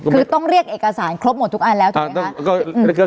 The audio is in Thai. คือต้องเรียกเอกสารครบหมดทุกอันแล้วถูกไหมคะ